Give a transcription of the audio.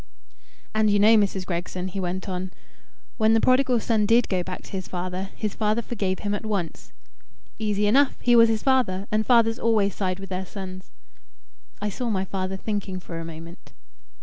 "And you know, Mrs. Gregson," he went on, "when the prodigal son did go back to his father, his father forgave him at once." "Easy enough! He was his father, and fathers always side with their sons." I saw my father thinking for a moment.